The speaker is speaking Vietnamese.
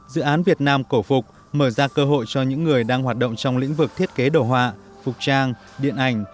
dự án việt nam cổ phục mở ra cơ hội cho những người đang hoạt động trong lĩnh vực thiết kế đồ họa phục trang điện ảnh